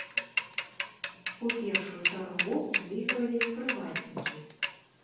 У першую чаргу выйгралі прыватнікі.